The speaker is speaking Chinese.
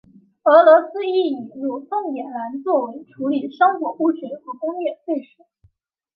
俄罗斯亦引入凤眼蓝作为处理生活污水和工业废水。